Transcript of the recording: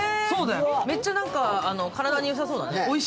めっちゃ体によさそうだね。